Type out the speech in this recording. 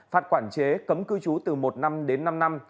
phạt quản chế cấm cư trú từ một năm đến năm năm